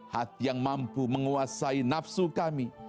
hati yang mampu menguasai nafsu kami